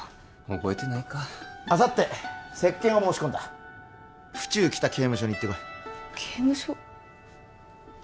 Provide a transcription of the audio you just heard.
覚えてないかあさって接見を申し込んだ府中北刑務所に行ってこい刑務所？